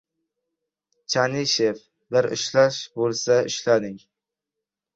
Chanishev! Bir ushlash bo‘lsa — ushlading.